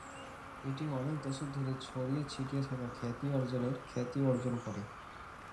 এটি অনেক দশক ধরে ছড়িয়ে ছিটিয়ে থাকা খ্যাতি অর্জনের খ্যাতি অর্জন করে।